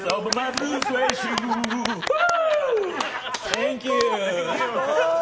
センキュー！